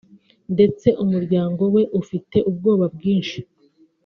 ndetse umuryango we ufite ubwoba bwinshi